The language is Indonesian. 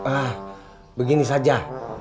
ah begini saja